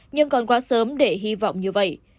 nhưng còn quá sớm để hy vọng như vậy